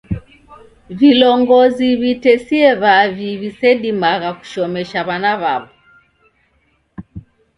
Vilongozi w'itesie w'avu w'isedimagha kushomesha w'ana w'aw'o